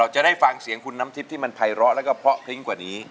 จะได้ฟังเสียงคุณน้ำทิพย์ที่มันภัยร้อแล้วก็เพราะพริ้งกว่านี้